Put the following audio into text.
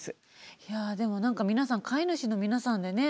いやでも何か皆さん飼い主の皆さんでね